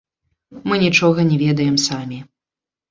Мы нічога не ведаем самі.